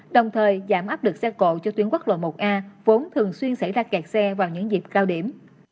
đồng thời giảm áp lực xe cộ cho tuyến quốc lộ một a vốn thường xuyên xảy ra kẹt xe vào những dịp cao điểm